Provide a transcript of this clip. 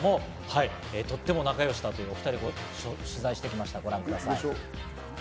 とっても仲良しだというお２人を取材してきました。